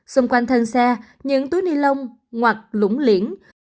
xung quanh thân xe những túi ni lông ngoặt lũng liển